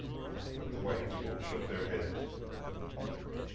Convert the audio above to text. But the white people shook their heads.